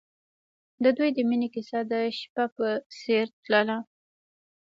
د دوی د مینې کیسه د شپه په څېر تلله.